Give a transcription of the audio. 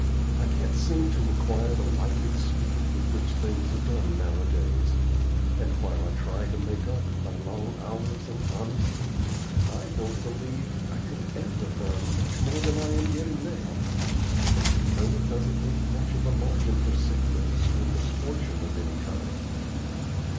I can't seem to acquire the lightning speed with which things are done nowadays; and while I try to make up by long hours and honesty, I don't believe I could ever earn much more than I am getting now, and you know it doesn't leave much of a margin for sickness or misfortune of any kind.